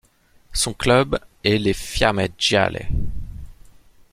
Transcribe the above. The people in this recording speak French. Son club est les Fiamme Gialle.